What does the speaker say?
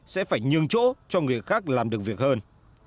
sẽ phải nhường chỗ cho người khác làm được việc hơn